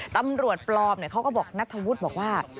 ตำรวจปลอมเขาก็บอกนัทธวุฒิบอกว่า